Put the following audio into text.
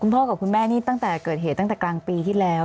พ่อกับคุณแม่นี่ตั้งแต่เกิดเหตุตั้งแต่กลางปีที่แล้ว